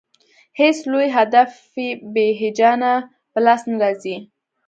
هېڅ لوی هدف بې هیجانه په لاس نه راځي.